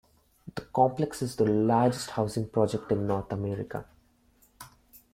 The complex is the largest housing project in North America.